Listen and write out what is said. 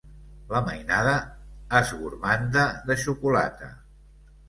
La mainada és gormanda de xocolata.